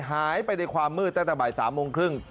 หายไปในความมืดตั้งแต่บ่าย๓โมงครึ่ง